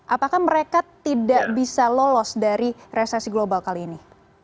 apakah mereka tidak bisa lolos dari resesi global kali ini